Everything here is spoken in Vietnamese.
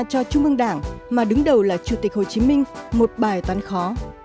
tình thế đặt ra cho trung ương đảng mà đứng đầu là chủ tịch hồ chí minh một bài toán khó